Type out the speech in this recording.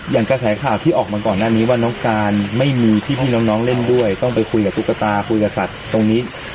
กระแสข่าวที่ออกมาก่อนหน้านี้ว่าน้องการไม่มีที่พี่น้องเล่นด้วยต้องไปคุยกับตุ๊กตาคุยกับสัตว์ตรงนี้